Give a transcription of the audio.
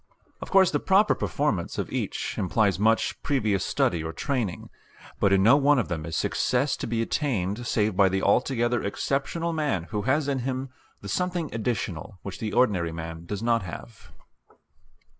Of course the proper performance of each implies much previous study or training, but in no one of them is success to be attained save by the altogether exceptional man who has in him the something additional which the ordinary man does not have.